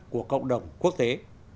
của cộng đồng quốc tế